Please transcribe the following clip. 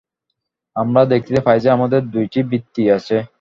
আমরা দেখিতে পাই যে, আমাদের দুইটি বৃত্তি আছে।